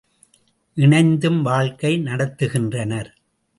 இணைந்தும் வாழ்க்கை நடத்துகின்றனர்.